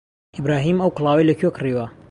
ئیبراهیم ئەو کڵاوەی لەکوێ کڕیوە؟